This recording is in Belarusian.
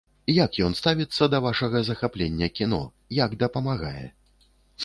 Як ён ставіцца да вашага захаплення кіно, як дапамагае?